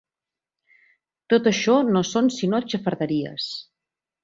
Tot això no són sinó xafarderies.